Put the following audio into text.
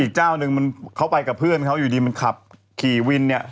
เจ้านึงมันเขาไปกับเพื่อนเขาอยู่ดีมันขับขี่วินเนี่ย